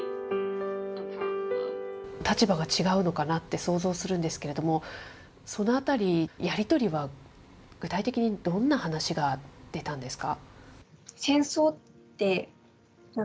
立場が違うのかなって、想像するんですけれども、そのあたり、やり取りは具体的にどんな話が出たんですか？